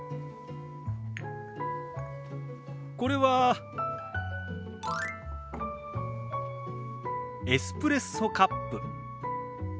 これはエスプレッソカップ。